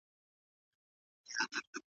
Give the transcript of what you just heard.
کوم غږونه د طبیعت له خوا ذهن ته سکون ورکوي؟